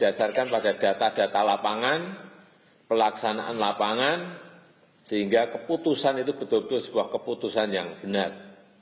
berdasarkan pada data data lapangan pelaksanaan lapangan sehingga keputusan itu betul betul sebuah keputusan yang benar